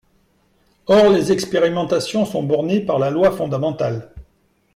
Or les expérimentations sont bornées par la loi fondamentale.